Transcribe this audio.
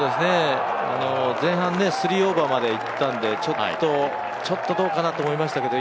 前半、３オーバーまでいったのでちょっとどうかなと思いましたけど